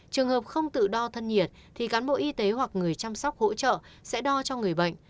trường hợp không tự đo thân nhiệt thì cán bộ y tế hoặc người chăm sóc hỗ trợ sẽ đo cho người bệnh